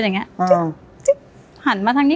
จะฉี่จะแตกอ่ะนะ